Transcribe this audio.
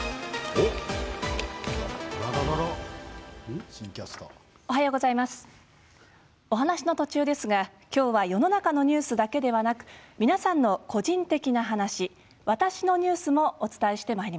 お話の途中ですがきょうは世の中のニュースだけでなく皆さんの個人的な話、「わたしのニュース」もお伝え久しぶり。